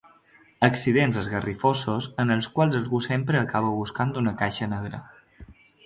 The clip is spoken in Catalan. Accidents esgarrifosos en els quals algú sempre acaba buscant una caixa negra.